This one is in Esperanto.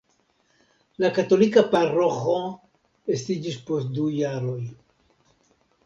La katolika paroĥo estiĝis post du jaroj.